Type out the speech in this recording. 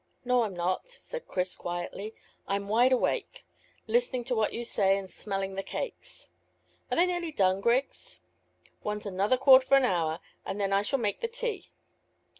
"No, I'm not," said Chris quietly. "I'm wide awake, listening to what you say, and smelling the cakes. Are they nearly done, Griggs?" "Want another quarter of an hour, and then I shall make the tea."